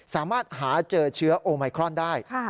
สามารถหาเจอเชื้อโอไมครอนได้